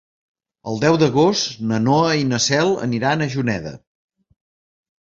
El deu d'agost na Noa i na Cel aniran a Juneda.